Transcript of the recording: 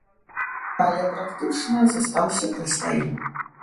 Але практычна застаўся пры сваім.